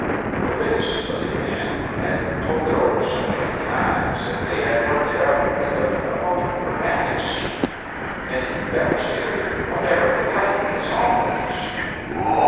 The witnesses of the event had told it over so many times that they had worked it up into a most dramatic scene, and embellished it with whatever could heighten its awfulness.